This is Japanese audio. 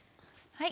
はい。